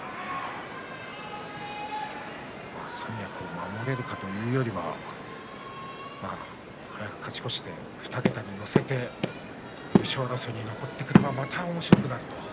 三役を守れるかというよりは早く勝ち越して２桁に乗せて優勝争いに残ってからがまたおもしろくなるという。